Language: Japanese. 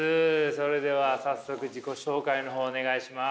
それでは早速自己紹介の方お願いします。